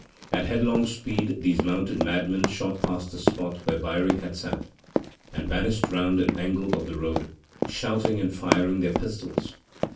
At headlong speed these mounted madmen shot past the spot where Byring had sat, and vanished round an angle of the road, shouting and firing their pistols.